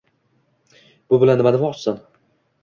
“Bu bilan nima demoqchisan?”